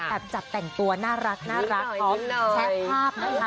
จับแต่งตัวน่ารักพร้อมแชะภาพนะคะ